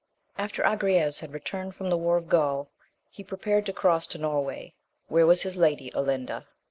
|FTER Agrayes had returned from the war of Gaul, he prepared to cross to Norway, where was his Lady Olinda.